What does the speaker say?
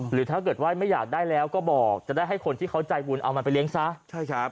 หรือถ้าเกิดว่าไม่อยากได้แล้วก็บอกจะได้ให้คนที่เขาใจบุญเอามันไปเลี้ยงซะใช่ครับ